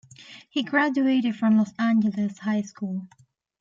He graduated from Los Angeles High School.